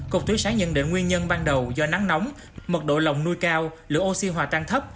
cục thủy sản nhận định nguyên nhân ban đầu do nắng nóng mật độ lồng nuôi cao lượng oxy hòa tăng thấp